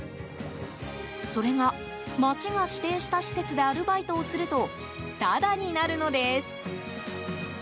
それが、町が指定した施設でアルバイトをするとタダになるのです。